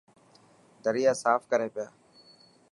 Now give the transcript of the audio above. دريا صاف ڪري پيا.